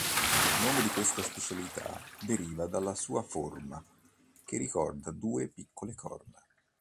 Il nome di questa specialità deriva dalla sua forma che ricorda due piccole corna.